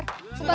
udah udah bubar